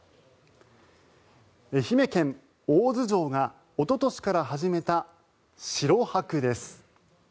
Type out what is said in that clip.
愛媛県・大洲城がおととしから始めた城泊です。